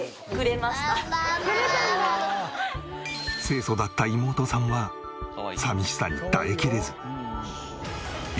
清楚だった妹さんは寂しさに耐えきれず。